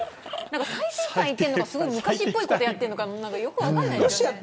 最先端いってるのか昔っぽいことやってるのかよく分からない。